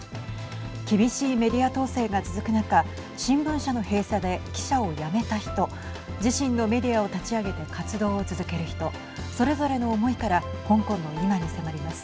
厳しいメディア統制が続く中新聞社の閉鎖で記者を辞めた人自身のメディアを立ち上げて活動を続ける人それぞれの思いから香港の今に迫ります。